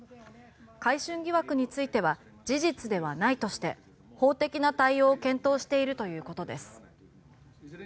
買春疑惑については事実ではないとして法的な対応を検討しているということです。